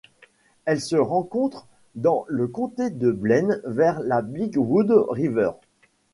Elle se rencontre dans le comté de Blaine vers la Big Wood River.